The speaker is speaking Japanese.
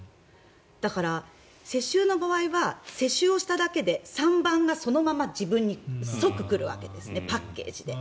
だから、世襲の場合は世襲をしただけで三バンがそのまま自分に即来るわけですねパッケージで。